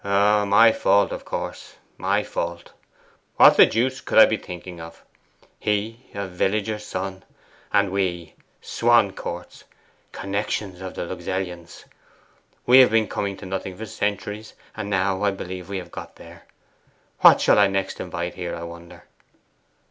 'My fault, of course; my fault. What the deuce could I be thinking of! He, a villager's son; and we, Swancourts, connections of the Luxellians. We have been coming to nothing for centuries, and now I believe we have got there. What shall I next invite here, I wonder!